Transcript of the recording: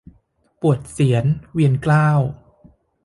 ปวดเศียรเวียนเกล้า